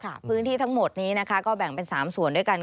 พื้นที่ทั้งหมดนี้นะคะก็แบ่งเป็น๓ส่วนด้วยกัน